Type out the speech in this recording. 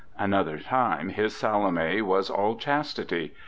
..." Another time his Salome was all chastity.